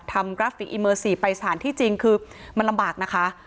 กราฟิกอีเมอร์๔ไปสถานที่จริงคือมันลำบากนะคะ